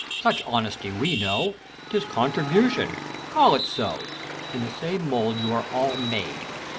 such honesty we know: 'T is Contrihutionf — call it so ! In the same mould you all are made.